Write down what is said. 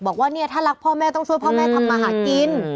บอกว่าเนี่ยถ้ารักพ่อแม่ต้องช่วยพ่อแม่ทำมาหากิน